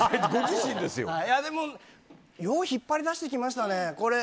よく引っ張り出してきましたね。